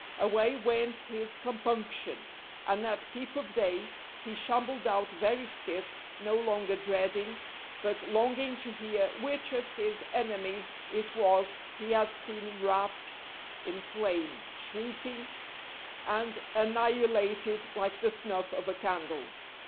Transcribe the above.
Away went his compunction, and at peep of day he shambled out very stiff, no longer dreading, but longing to hear which of his enemies it was he had seen wrapped in flame, shrieking, and annihilated like the snuff of a candle.